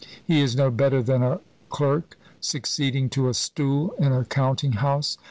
He is no better than a clerk, succeeding to a stool in a counting house.